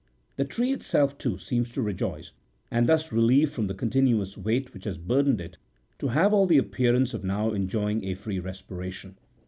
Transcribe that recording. The tree itself, too, seems to rejoice, and, thus relieved from the continuous weight which has burdened it, to have all the appearance of now enjoying a free respira tion.